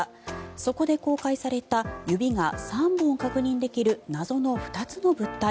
そこで公開された指が３本確認できる謎の２つの物体。